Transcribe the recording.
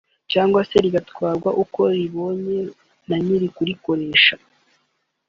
cyangwa se rigatwarwa uko ribonye na nyir’ukurikoresha